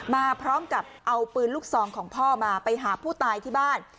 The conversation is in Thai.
มาพร้อมกับเอาปืนลูกซองของพ่อมาไปหาผู้ตายที่บ้าน